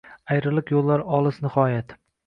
Ayrilik yo’llari olis nihoyat.